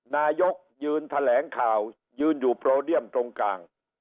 นายกยืนแถลงข่าวยืนอยู่โปรเดียมตรงกลาง